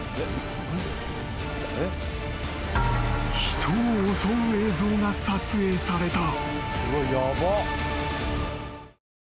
［人を襲う映像が撮影された］